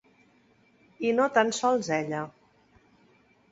I no tan sols ella.